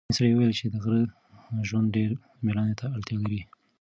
سپین سرې وویل چې د غره ژوند ډېر مېړانې ته اړتیا لري.